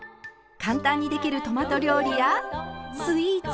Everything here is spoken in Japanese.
簡単にできるトマト料理やスイーツ。